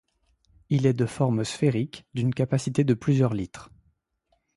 Il est de forme sphérique d'une capacité de plusieurs litres.